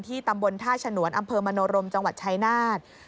ตำบลท่าฉนวนอำเภอมโนรมจังหวัดชายนาฏ